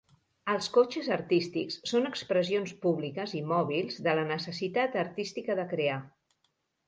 Els cotxes artístics són expressions públiques i mòbils de la necessitat artística de crear.